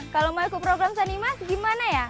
kalau mau aku program sanimas gimana ya